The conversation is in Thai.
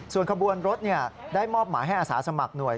ส่วนขบวนรถได้มอบหมายให้อาสาสมัครหน่วย